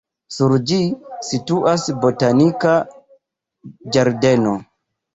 Sur ĝi situas botanika ĝardeno.